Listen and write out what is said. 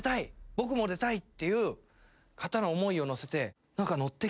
僕も出たいっていう方の思いを乗せて。